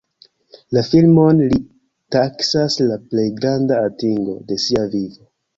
La filmon li taksas la plej granda atingo de sia vivo.